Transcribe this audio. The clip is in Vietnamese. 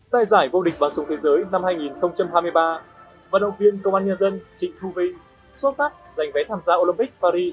tại giải vô địch và sùng thế giới năm hai nghìn hai mươi ba vận động viên công an nhân dân trịnh thu vinh xuất sắc giành vé tham gia olympic paris hai nghìn hai mươi bốn